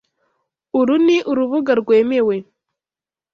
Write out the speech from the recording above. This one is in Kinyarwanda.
Uru ni urubuga rwemewe.